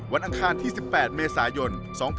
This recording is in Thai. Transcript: อังคารที่๑๘เมษายน๒๕๖๒